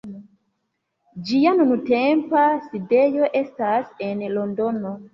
Ĝia nuntempa sidejo estas en Londono.